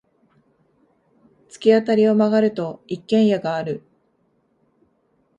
突き当たりを曲がると、一軒家がある。